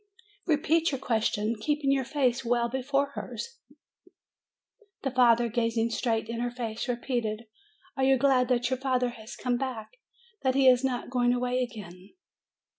Repeat your question, keeping your face well before hers." The father, gazing straight in her face, repeated, "Are you glad that your father has come back? that he is not going away again?"